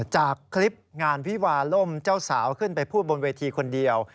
จากคลิปงานวิวาล่มเจ้าสาวขึ้นไปพูดบนเวทีคนเดียว